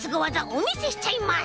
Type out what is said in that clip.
おみせしちゃいます！